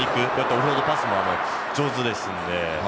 オフロードパスも上手ですので。